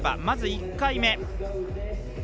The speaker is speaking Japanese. まず１回目。